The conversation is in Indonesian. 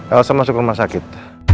elsa masuk rumah sakit